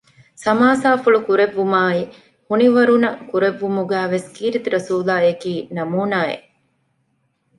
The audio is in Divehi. ސަމާސާފުޅު ކުރެއްވުމާއި ހުނިވަރުނަ ކުރެއްވުމުގައި ވެސް ކީރިތިރަސޫލާއަކީ ނަމޫނާއެއް